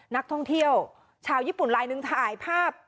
นักท่องเที่ยวชาวญี่ปุ่นลายหนึ่งถ่ายภาพ